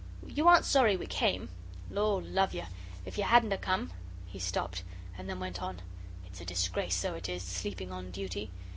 You aren't sorry we came." "Lor' love you if you hadn't 'a' come " he stopped and then went on. "It's a disgrace, so it is, sleeping on duty.